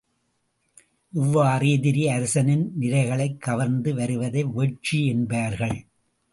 இவ்வாறு எதிரி அரசனின் நிரைகளைக் கவர்ந்து வருவதை வெட்சி என்பார்கள்.